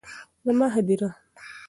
زما هديره